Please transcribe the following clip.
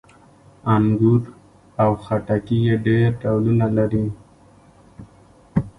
انګور او خټکي یې ډېر ډولونه لري.